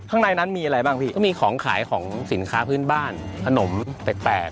ข้างในนั้นมีอะไรบ้างพี่ก็มีของขายของสินค้าพื้นบ้านขนมแปลก